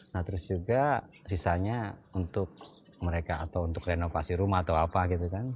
nah terus juga sisanya untuk mereka atau untuk renovasi rumah atau apa gitu kan